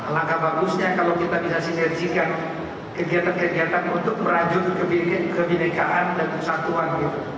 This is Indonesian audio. langkah bagusnya kalau kita bisa sinergikan kegiatan kegiatan untuk merajut kebinekaan dan kesatuan